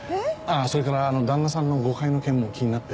それから旦那さんの誤解の件も気になって。